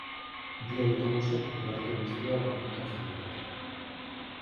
Bi autobusek uharte guztia konektatzen dute.